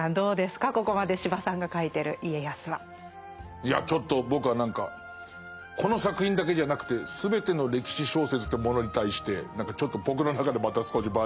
いやちょっと僕は何かこの作品だけじゃなくて全ての歴史小説というものに対してちょっと僕の中でまた少しバージョンアップしてるかも。